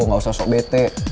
gak usah sok bete